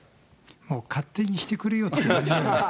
もう勝手にしてくれよって感じですね。